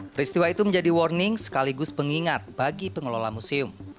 peristiwa itu menjadi warning sekaligus pengingat bagi pengelola museum